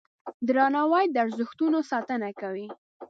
درناوی د ارزښتونو ساتنه کوي.